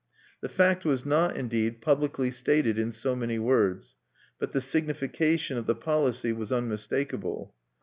The fact was not, indeed, publicly stated in so many words; but the signification of the policy was unmistakable.